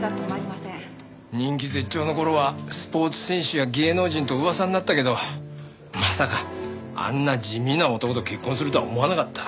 人気絶頂の頃はスポーツ選手や芸能人と噂になったけどまさかあんな地味な男と結婚するとは思わなかった。